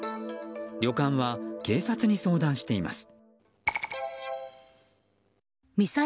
旅館は警察に相談しています。